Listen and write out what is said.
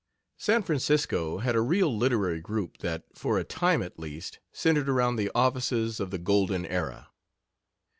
San Francisco had a real literary group that, for a time at least, centered around the offices of the Golden Era.